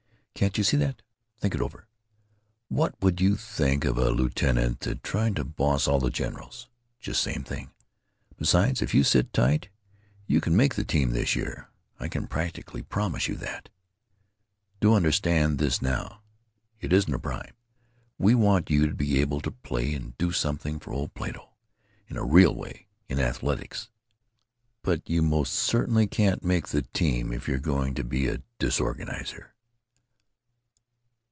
Can't you see that? Think it over. What would you think of a lieutenant that tried to boss all the generals? Just same thing.... Besides, if you sit tight, you can make the team this year, I can practically promise you that. Do understand this now; it isn't a bribe; we want you to be able to play and do something for old Plato in a real way—in athletics. But you most certainly can't make the team if you're going to be a disorganizer."